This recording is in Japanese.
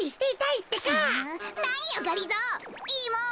いいもん。